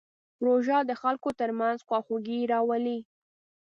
روژه د خلکو ترمنځ خواخوږي راولي.